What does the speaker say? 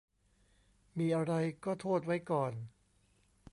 มีอะไรก็โทษไว้ก่อน